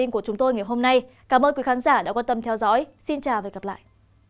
cảm ơn các bạn đã theo dõi xin chào và hẹn gặp lại